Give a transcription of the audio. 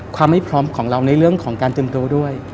ความไม่พร้อมของเราในเรื่องของการเติบโตด้วย